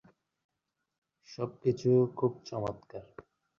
সবকিছু খুব চমৎকার।